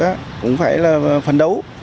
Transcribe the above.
cũng phải là phấn đấu